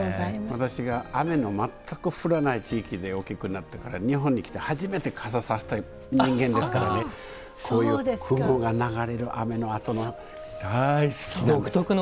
私が雨の全く降らない地域で大きくなったから日本に来て初めて傘差した人間ですからねこういう雲が流れる雨のあとの大好きなんです。